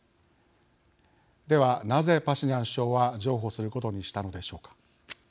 では、なぜパシニャン首相は譲歩することにしたのでしょうか。